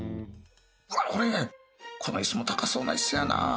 うわっこれこの椅子も高そうな椅子やな